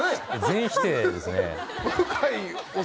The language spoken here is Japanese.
全否定ですね。